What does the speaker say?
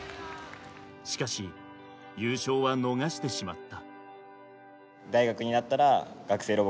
しかし優勝は逃してしまった。